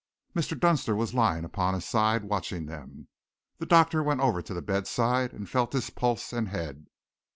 Mr. Dunster was lying upon his side, watching them. The doctor went over to the bedside and felt his pulse and head.